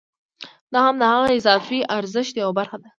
دا هم د هغه اضافي ارزښت یوه برخه ده